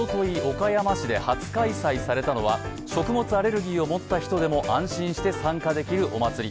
岡山市で初開催されたのは食物アレルギーを持った人でも安心して参加できるお祭り。